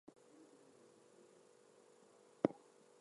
He was arrested twice and spent eight days in prison.